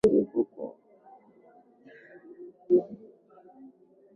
Petro I nchi ilishiriki katika siasa ya Ulaya pamoja na vita vingi vya huko